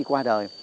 khi qua đời